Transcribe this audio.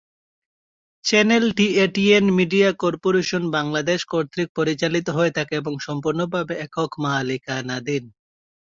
চ্যানেলটি ATN media corporation Bangladesh কর্তৃক পরিচালিত হয়ে থাকে এবং সম্পূর্ণভাবে একক মালিকানাধীন।